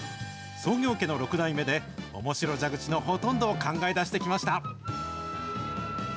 創業家の６代目で、おもしろ蛇口のほとんどを考え出してきました。